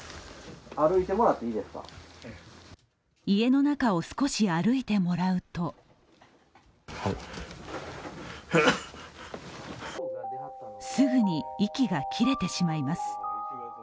家の中を少し歩いてもらうとすぐに息が切れてしまいます。